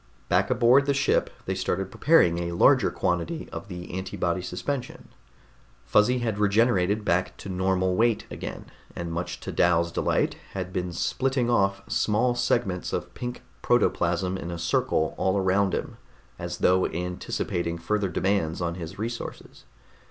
Back aboard the ship they started preparing a larger quantity of the antibody suspension. Fuzzy had regenerated back to normal weight again, and much to Dal's delight had been splitting off small segments of pink protoplasm in a circle all around him, as though anticipating further demands on his resources.